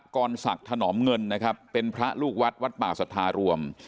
กรศักดิ์ถนอมเงินนะครับเป็นพระลูกวัดวัดป่าสัทธารวม